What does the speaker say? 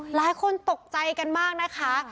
หลายคนตกใจกันมากนะคะ